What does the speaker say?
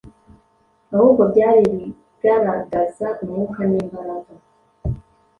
ahubwo byari ibigaragaza Umwuka n’imbaraga.”